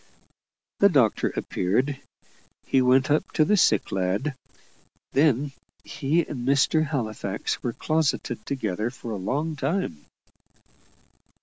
The doctor appeared; he went up to the sick lad; then he and Mr. Halifax were closeted together for a long time.